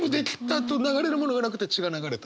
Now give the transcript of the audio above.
あと流れるものがなくて血が流れた。